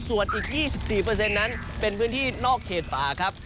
ส่วนอีก๒๔นั้นเป็นพื้นที่นอกเขตป่าครับ